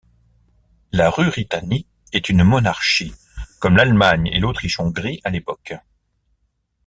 La Ruritanie est une monarchie, comme l'Allemagne et l'Autriche-Hongrie à l'époque.